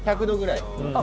１００度ぐらい。